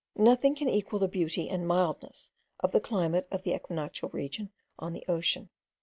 Nothing can equal the beauty and mildness of the climate of the equinoctial region on the ocean.